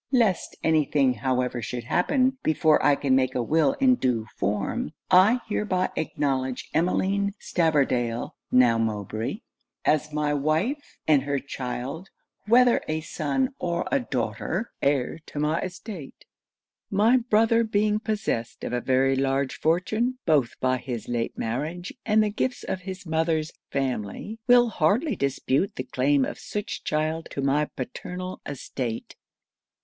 Least any thing however should happen before I can make a will in due form, I hereby acknowledge Emmeline Stavordale (now Mowbray) as my wife; and her child, whether a son or a daughter, heir to my estate. My brother being possessed of a very large fortune, both by his late marriage and the gifts of his mother's family, will hardly dispute the claim of such child to my paternal estate.